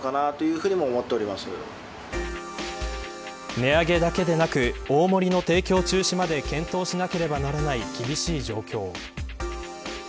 値上げだけでなく大盛りの提供中止まで検討しなければならない厳しい状況。